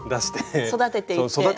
育てていって。